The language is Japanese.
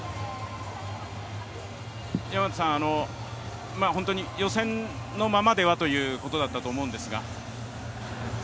山縣さん、予選のままではということだと思ったんですが。